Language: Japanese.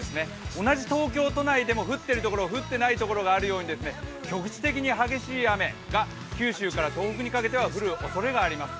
同じ東京都内でも降ってる所、降ってない所があるように局地的に激しい雨が九州から東北にかけては降るおそれがあります。